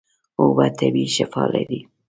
اوبه طبیعي شفاء لري.